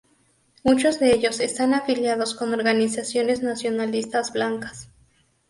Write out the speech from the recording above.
Muchos de ellos están afiliados con organizaciones nacionalistas blancas.